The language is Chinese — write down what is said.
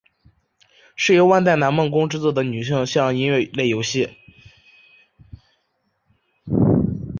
是由万代南梦宫制作的女性向音乐类手机游戏。